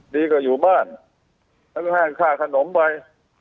ได้ก็อยู่บ้านแล้วก็ให้ข้าขนมไป